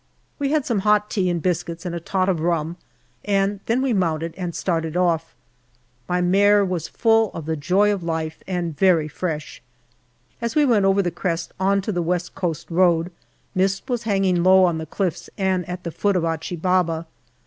We had some hot tea and biscuits and a tot of rum, and then we mounted and started off. My mare was full of the joy of life and very fresh. As we went over the crest on to the West Coast road, mist was hanging low on the cliffs and at the foot of Achi Baba.